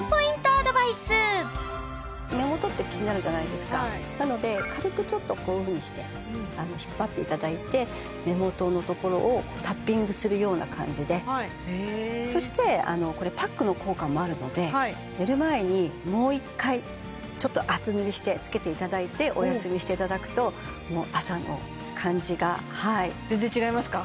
嬉しいはいここでなので軽くちょっとこういうふうにして引っ張っていただいて目元のところをタッピングするような感じではいへえそしてこれパックの効果もあるので寝る前にもう一回ちょっと厚塗りして付けていただいてお休みしていただくともう朝の感じがはい全然違いますか？